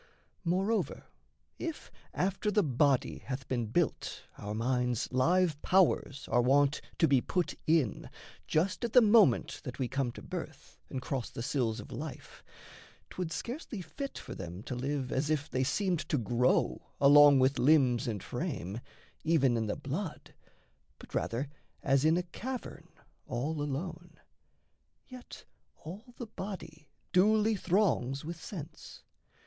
Moreover, if after the body hath been built Our mind's live powers are wont to be put in, Just at the moment that we come to birth, And cross the sills of life, 'twould scarcely fit For them to live as if they seemed to grow Along with limbs and frame, even in the blood, But rather as in a cavern all alone. (Yet all the body duly throngs with sense.)